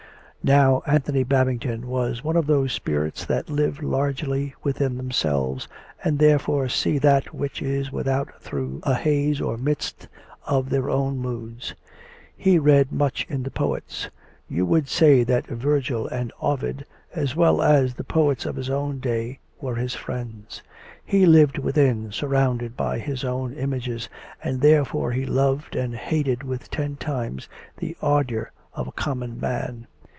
" Now Anthony Babington was one of those spirits that live largely within themselves, and therefore s'ee that which is without through a haze or mist of their own moods. He read much in the poets; you would say that Vergil and Ovid, as well as the poets of his own day, were his friends ; he lived within, surrounded by his own images, and there fore he loved and hated with ten times the ardour of a com mon man.